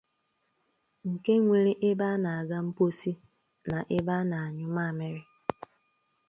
nke nwere ebe a na-aga mposi na ebe a na-anyụ mamịrị